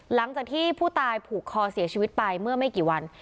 หลังจากที่ผู้ตายผูกคอเสียชีวิตไปเมื่อไม่กี่วัน